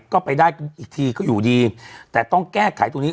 ก็ไปได้อีกทีก็อยู่ดีแต่ต้องแก้ไขตรงนี้